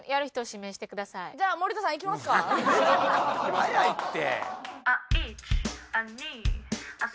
早いって！